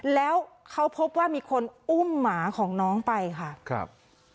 แล้วเขาพบว่ามีคนอุ้มหมาของน้องไปค่ะครับ